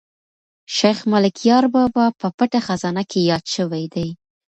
شیخ ملکیار بابا په پټه خزانه کې یاد شوی دی.